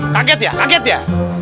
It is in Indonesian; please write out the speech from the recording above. kaget ya kaget ya